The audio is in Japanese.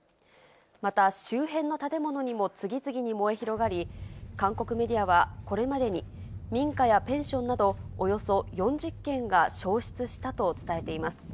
また周辺の建物にも次々に燃え広がり、韓国メディアはこれまでに民家やペンションなど、およそ４０軒が焼失したと伝えています。